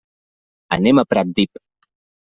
Anem a Pratdip.